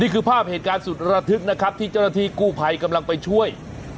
นี่คือภาพเหตุการณ์สุดระทึกนะครับที่เจ้าหน้าที่กู้ภัยกำลังไปช่วย